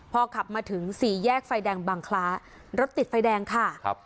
พอขับมาถึงสี่แยกไฟแดงบังคล้ารถติดไฟแดงค่ะครับ